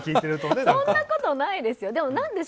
そんなことないですよ！